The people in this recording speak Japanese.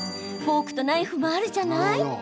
フォークとナイフもあるじゃない。